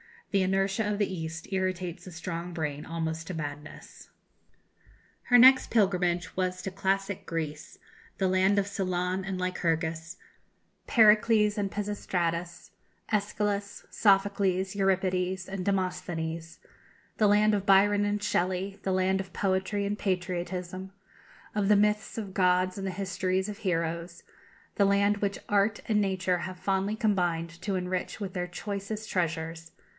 The inertia of the East irritates a strong brain almost to madness. Her next pilgrimage was to classic Greece, the land of Solon and Lycurgus, Pericles and Pisistratus, Æschylus, Sophocles, Euripides, and Demosthenes the land of Byron and Shelley the land of poetry and patriotism, of the myths of gods and the histories of heroes the land which Art and Nature have fondly combined to enrich with their choicest treasures.